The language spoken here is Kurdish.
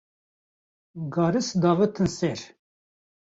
garis davêtin ser